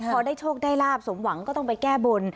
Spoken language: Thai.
พอได้โชคได้ลาบสมหวังก็ต้องไปแก้บน